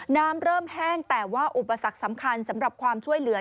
น้ำเริ่มแห้งแต่ว่าอุปสรรคสำคัญสำหรับความช่วยเหลือ